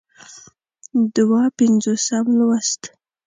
دوه پينځوسم لوست